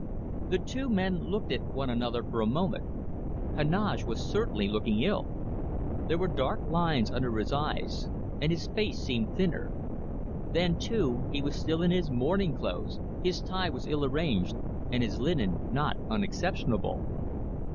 The two men looked at one another for a moment. Heneage was certainly looking ill. There were dark lines under his eyes, and his face seemed thinner. Then, too, he was still in his morning clothes, his tie was ill arranged, and his linen not unexceptionable.